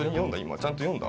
ちゃんと読んだ？